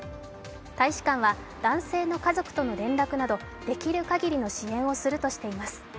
大使館は男性の家族との連絡などできる限りの支援をするとしています。